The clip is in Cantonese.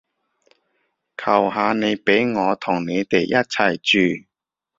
求下你畀我同你哋一齊住